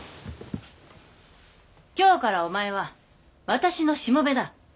今日からお前は私のしもべだ。